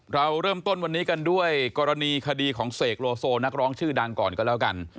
เราเริ่มต้นวันนี้กันด้วยกรณีคดีของเสกโลโซนักร้องชื่อดังก่อนก็แล้วกัน